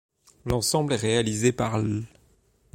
L'ensemble est réalisé par l'.